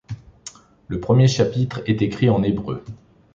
Le premier chapitre est écrit en hébreu.